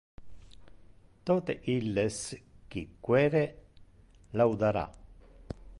Tote illes qui quere, laudara.